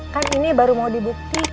kan ini baru mau dibukti